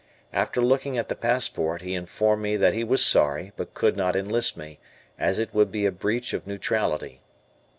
After looking at the passport, he informed me that he was sorry but could not enlist me, as it would be a breach of neutrality.